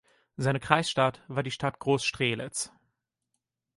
Seine Kreisstadt war die Stadt Groß Strehlitz.